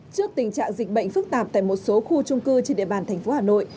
trước tình trạng dịch bệnh phức tạp tại một số khu trung cư trên địa bàn thành phố hà nội